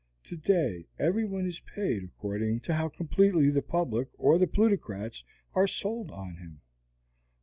Today every one is paid according to how completely the public or the plutocrats are "sold" on him.